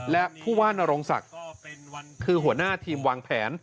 และผู้ว่านโรงศักดิ์คือหัวหน้าทีมวางแผน